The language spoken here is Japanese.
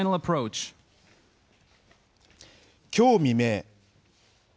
きょう未明。